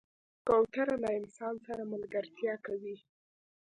کوتره له انسان سره ملګرتیا کوي.